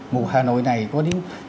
một hà nội này có đến